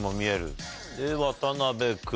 で渡辺君。